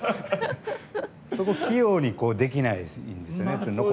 そこを器用にできないんですよね。